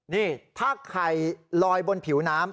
นี่ถ้าไข่ลอยบนผิวน้ำ